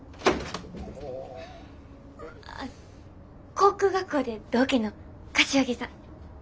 航空学校で同期の柏木さん。